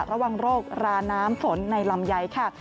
ระวังโรคราน้ำฝนในลำไยค่ะ